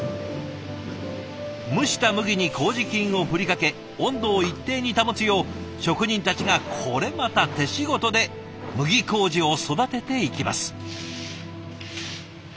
蒸した麦に麹菌を振りかけ温度を一定に保つよう職人たちがこれまた手仕事で麦麹を育てていきます。